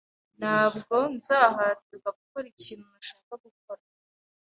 Ntabwo nzahatirwa gukora ikintu ntashaka gukora.